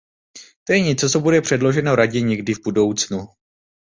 To je něco, co bude předloženo Radě někdy v budoucnu.